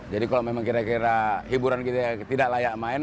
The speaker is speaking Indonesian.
jadi kalau memang kira kira hiburan kita tidak layak main